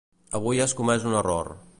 Aquí has comès un error.